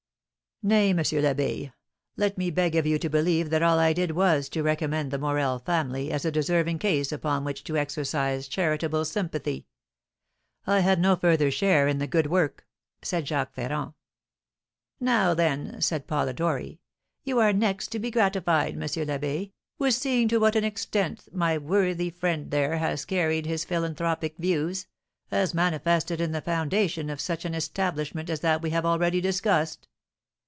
"Nay, M. l'Abbé, let me beg of you to believe that all I did was to recommend the Morel family as a deserving case upon which to exercise charitable sympathy; I had no further share in the good work," said Jacques Ferrand. "Now, then," said Polidori, "you are next to be gratified, M. l'Abbé, with seeing to what an extent my worthy friend there has carried his philanthropic views, as manifested in the foundation of such an establishment as that we have already discussed.